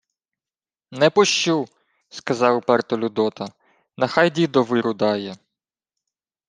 — Не пущу! — сказав уперто Людота. — Нехай дідо виру дає.